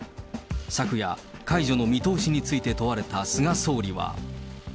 昨夜、解除の見通しについて問われた菅総理は。